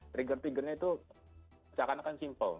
trigger triggernya itu seakan akan simple